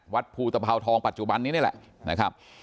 วัดภูตภาวทองปัจจุบันนี้นี่แหละนะครับ